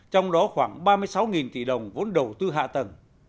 trong đó khoảng ba mươi sáu tỷ đồng vốn đầu tư hạ tầng